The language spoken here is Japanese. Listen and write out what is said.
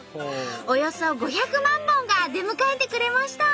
およそ５００万本が出迎えてくれました。